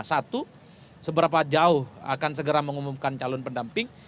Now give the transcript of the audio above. satu seberapa jauh akan segera mengumumkan calon pendamping